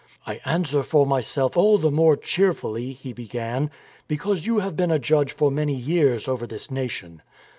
." I answer for myself all the more cheerfully," he began, " because you have been a judge for many years over this nation.